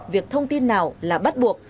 việc thông tin nào là bắt buộc